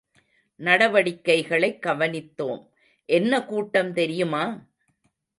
நடவடிக்கைகளைக் கவனித்தோம் என்ன கூட்டம் தெரியுமா?